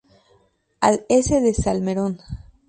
Al S de Salmerón.